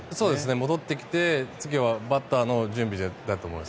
戻ってきて次はバッターの準備だと思います。